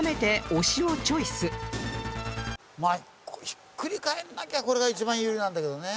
ひっくり返らなきゃこれが一番有利なんだけどね。